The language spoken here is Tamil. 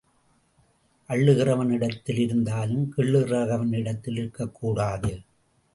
அள்ளுகிறவன் இடத்தில் இருந்தாலும் கிள்ளுகிறவன் இடத்தில் இருக்கக் கூடாது.